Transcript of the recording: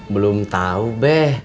belum tau beh